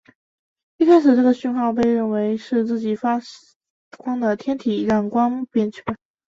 一开始它的讯号被认为是自己发光的天体让光变曲线变化造成的假阳性。